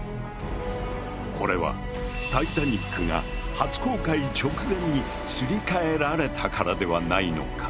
これはタイタニックが初航海直前にすり替えられたからではないのか？